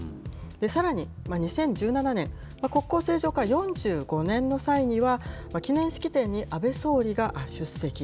さらに２０１７年、国交正常化４５年の際には、記念式典に安倍総理が出席。